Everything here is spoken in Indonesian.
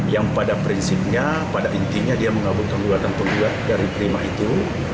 yang pada prinsipnya pada intinya dia mengabulkan gugatan penggugat dari prima itu